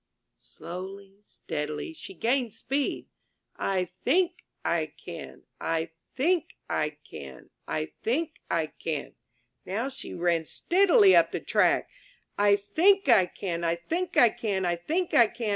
'* Slowly, steadily, she gained speed. *1 think I can! I — think — I can! I — think I can!'* Now she ran steadily up the track. *'I think I can! I think I can! I think I can!